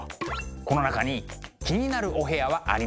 この中に気になるお部屋はありますか？